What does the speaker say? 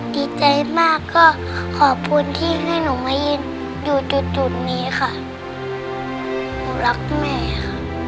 ดีใจมากก็ขอบคุณที่ให้หนูมายืนอยู่จุดจุดนี้ค่ะหนูรักแม่ค่ะ